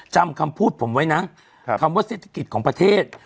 จำคำพูดผมไว้นะคำว่าเศรษฐกิจของประเทศ